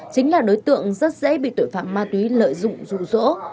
chính là đối tượng rất dễ bị tội phạm ma túy lợi dụng dụ dỗ